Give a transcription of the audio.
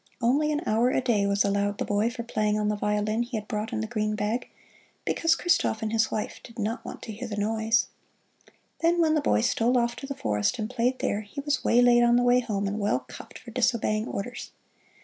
Only an hour a day was allowed the boy for playing on the violin he had brought in the green bag, because Christoph and his wife "did not want to hear the noise." Then when the boy stole off to the forest and played there, he was waylaid on the way home and well cuffed for disobeying orders.